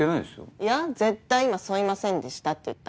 いや絶対今「そいませんでした」って言った。